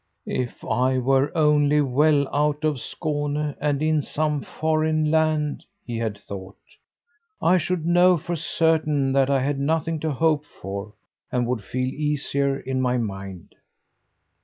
"If I were only well out of Skåne and in some foreign land," he had thought, "I should know for certain that I had nothing to hope for, and would feel easier in my mind."